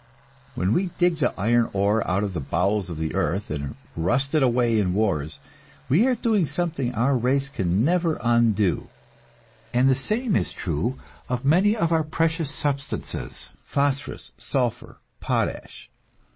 When we dig the iron ore out of the bowels of the earth and rust it away in wars, we are doing something our race can never undo. And the same is true of many of our precious substances: phosphorus, sulphur, potash.